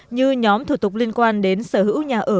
như nhóm thủ tục liên quan đến sở hữu nhà ở